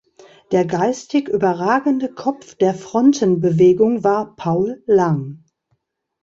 Der geistig überragende Kopf der Frontenbewegung war Paul Lang.